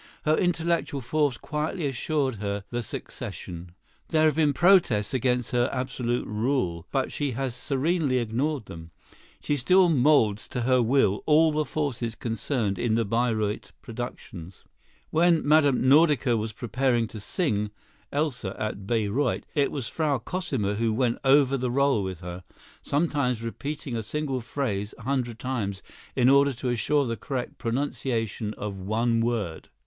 Her intellectual force quietly assured her the succession. There have been protests against her absolute rule, but she has serenely ignored them. She still moulds to her will all the forces concerned in the Bayreuth productions. When Mme. Nordica was preparing to sing "Elsa" at Bayreuth, it was Frau Cosima who went over the rôle with her, sometimes repeating a single phrase a hundred times in order to assure the correct pronunciation of one word.